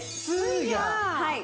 はい。